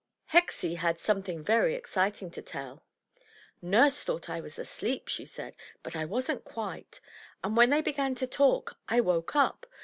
Hexie had some thing very exciting to tell. "Nurse thought I was asleep,'' she said, "but I wasn't quite; and when they began to talk I woke up.